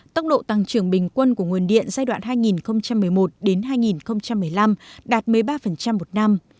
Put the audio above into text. tốc độ tăng trưởng bình quân của nguồn điện giai đoạn hai nghìn một mươi một hai nghìn một mươi năm đạt một mươi ba một năm